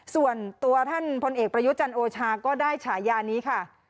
ส่วนตัวท่านพลเอกประยุจันทร์โอชาก็ได้ฉายานี้ค่ะ